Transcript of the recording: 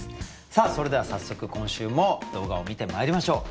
さあそれでは早速今週も動画を観てまいりましょう。